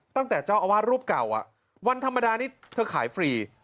ตั้งแต่เจ้าอาวาสรูปเก่าวันธรรมดานี้เธอขายฟรี